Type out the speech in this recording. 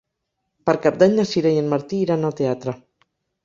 Per Cap d'Any na Sira i en Martí iran al teatre.